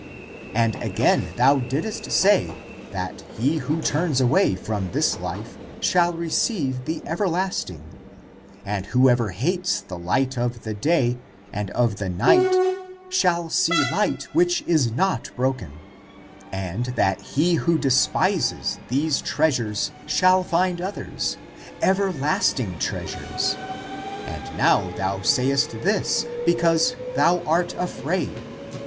And again thou didst say, that he who turns away from this life shall receive the everlasting, and who ever hates the light of the day and of the night shall see light which is not broken, and that he who de spises these treasures shall find others, everlasting treasures. And now thou sayest this, because thou art afraid.